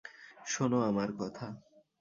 শোনো আমার কথা।